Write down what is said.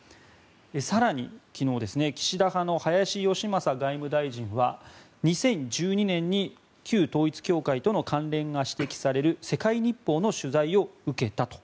更に昨日岸田派の林芳正外務大臣は２０１２年に旧統一教会との関連が指摘される世界日報の取材を受けたと。